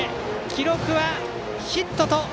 記録はヒット。